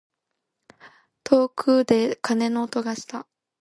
遠くで鐘の音がした。